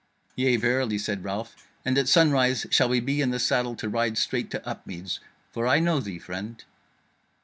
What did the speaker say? "Yea, verily," said Ralph, "and at sunrise shall we be in the saddle to ride straight to Upmeads. For I know thee, friend."